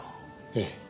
ええ。